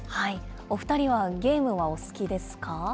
お２人はゲームはお好きですか？